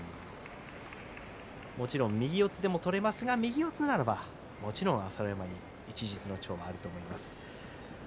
もちろん右四つでも取れますが右四つならばもちろん朝乃山に一日の長があると思います。